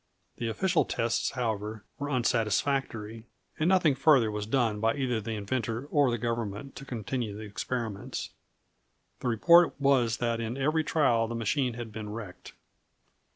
The official tests, however, were unsatisfactory, and nothing further was done by either the inventor or the government to continue the experiments. The report was that in every trial the machines had been wrecked.